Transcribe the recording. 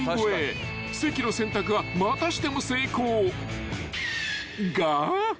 ［関の選択はまたしても成功］